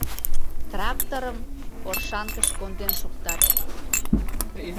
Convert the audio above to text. Тракторым Оршанкыш конден шуктат.